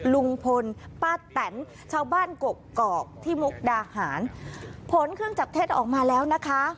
ลุงพลป้าแตนชาวบ้านกกอกที่มุกดาหารผลเครื่องจับเท็จออกมาแล้วนะคะ